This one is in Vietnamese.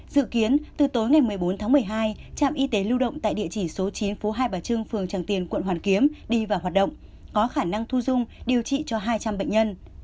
dự kiến từ tối ngày một mươi bốn tháng một mươi hai trạm y tế lưu động tại địa chỉ số chín phố hai bà trưng phường tràng tiền quận hoàn kiếm đi vào hoạt động có khả năng thu dung điều trị cho hai trăm linh bệnh nhân